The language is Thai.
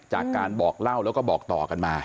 จากการบอกเล่าแล้วก็บอกต่อกันมา